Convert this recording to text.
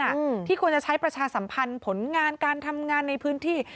อืมที่ควรจะใช้ประชาสัมพันธ์ผลงานการทำงานในพื้นที่